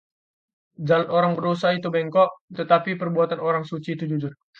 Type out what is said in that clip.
Jalan orang berdosa itu bengkok, tetapi perbuatan orang suci itu jujur.